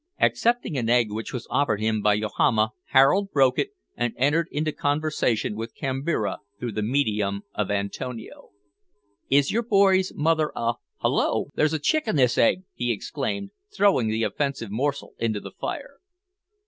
Accepting an egg which was offered him by Yohama, Harold broke it, and entered into conversation with Kambira through the medium of Antonio. "Is your boy's mother a Hollo! there's a chick in this egg," he exclaimed, throwing the offensive morsel into the fire.